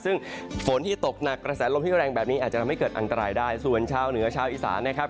ซึ่งฝนที่ตกหนักกระแสลมที่แรงแบบนี้อาจจะทำให้เกิดอันตรายได้ส่วนชาวเหนือชาวอีสานนะครับ